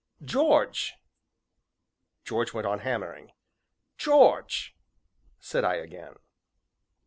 "George!" George went on hammering. "George!" said I again.